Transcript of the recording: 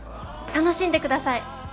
楽しんで下さい！